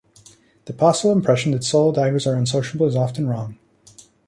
The possible impression that solo divers are unsociable is often wrong.